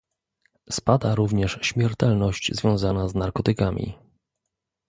Spada również śmiertelność związana z narkotykami